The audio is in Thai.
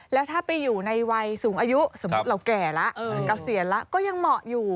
แล้วถ้าไปอยู่ในวัยสูงอายุสมมุติเราแก่แล้วเกษียณแล้วก็ยังเหมาะอยู่